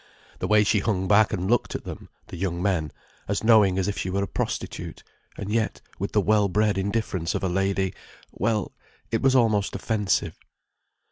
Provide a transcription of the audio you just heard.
The way she hung back and looked at them, the young men, as knowing as if she were a prostitute, and yet with the well bred indifference of a lady—well, it was almost offensive.